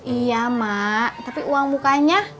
iya mak tapi uang mukanya